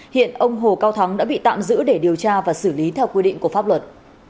hiện ông hồ cao thắng đã bị tạm giữ để điều tra và xử lý theo quy định của pháp luật